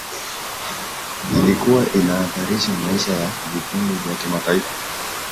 ilikuwa inahatarisha maisha ya vikundi vya kimataifa